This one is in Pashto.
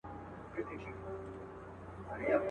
خو لستوڼي مو تل ډک وي له مارانو.